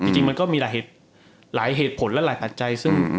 จริงมันก็มีหลายเหตุผลและหลายปัจจัยซึ่ง